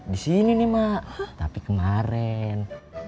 di sini mak tapi kemaren